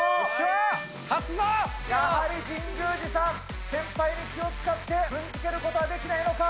やはり神宮寺さん、先輩に気を遣って踏みつけることはできないのか？